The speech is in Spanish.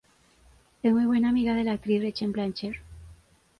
Es muy buena amiga de la actriz Rachel Blanchard.